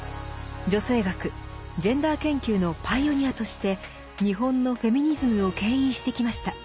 女性学ジェンダー研究のパイオニアとして日本のフェミニズムを牽引してきました。